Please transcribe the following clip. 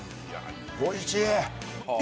おいしい！